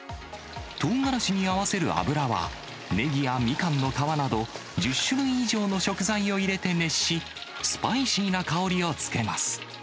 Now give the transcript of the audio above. トウガラシに合わせる油は、ネギやミカンの皮など、１０種類以上の食材を入れて熱し、スパイシーな香りをつけます。